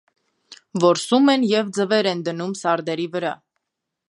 Որսում են և ձվեր են դնում սարդերի վրա։